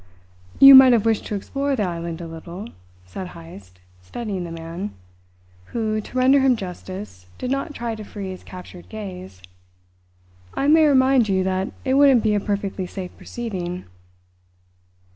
"You might have wished to explore the island a little," said Heyst, studying the man, who, to render him justice, did not try to free his captured gaze. "I may remind you that it wouldn't be a perfectly safe proceeding."